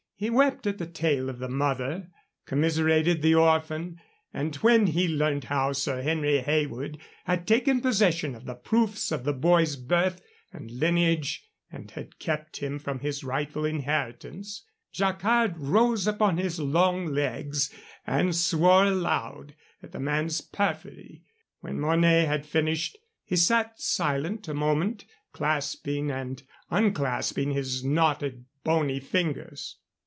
He wept at the tale of the mother, commiserated the orphan, and, when he learned how Sir Henry Heywood had taken possession of the proofs of the boy's birth and lineage and had kept him from his rightful inheritance, Jacquard rose upon his long legs and swore aloud at the man's perfidy. When Mornay had finished, he sat silent a moment, clasping and unclasping his knotted, bony fingers.